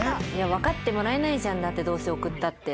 わかってもらえないじゃんだってどうせ送ったって。